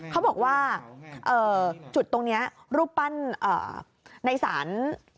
เขาบอกว่าจุดตรงนี้รูปปั้นในศาล